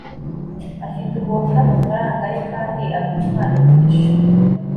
afite ubuntu namafaranga ye kandi agura impano nyinshi